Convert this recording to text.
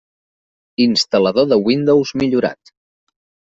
Instal·lador de Windows millorat.